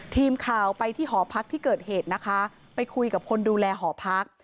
ทีมข่าวไปที่หอพักที่เกิดเหตุนะคะไปคุยกับคนดูแลหอพัก